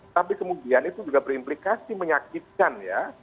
tapi kemudian itu juga berimplikasi menyakitkan ya